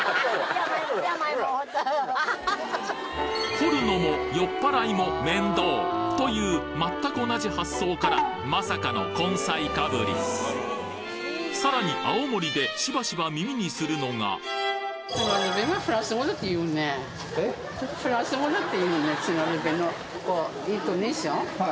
掘るのも酔っ払いも面倒というまったく同じ発想からまさかのさらに青森でしばしば耳にするのがえっ？